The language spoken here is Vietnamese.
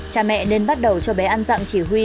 cha mẹ nên bắt đầu cho bé ăn dặn chỉ huy